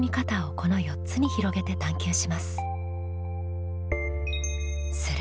この４つに広げて探究します。